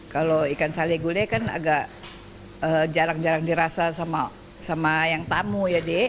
kalau ikan sale gulih kan agak jarang jarang dirasa sama yang tamu ya d